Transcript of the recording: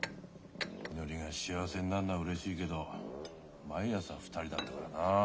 みのりが幸せになるのはうれしいけど毎朝２人だったからなあ。